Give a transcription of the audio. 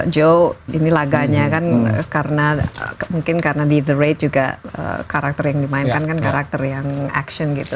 joe ini laganya kan karena mungkin karena di the rate juga karakter yang dimainkan kan karakter yang action gitu